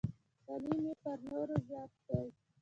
تعلیم یې تر نورو زیات دی.